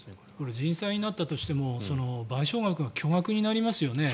人災になったとしても賠償額が巨額になりますよね。